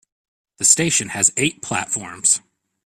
The station has eight platforms.